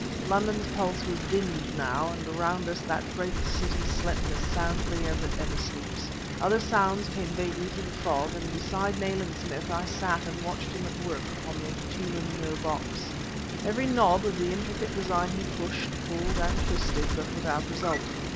London's pulse was dimmed now, and around about us that great city slept as soundly as it ever sleeps. Other sounds came vaguely through the fog, and beside Nayland Smith I sat and watched him at work upon the Tûlun Nûr box. Every knob of the intricate design he pushed, pulled and twisted; but without result.